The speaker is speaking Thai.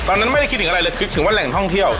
ตอนนั้นไม่ได้คิดถึงอะไรเลยคิดถึงว่าแหล่งท่องเที่ยว